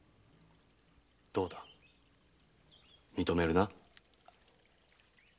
どうだ認めるな？